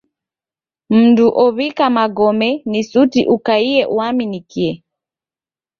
Mndu ow'ika magome ni suti ukaie uaminikie.